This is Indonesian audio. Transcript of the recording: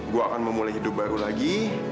gue akan memulai hidup baru lagi